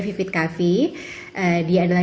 vivit coffee dia adalah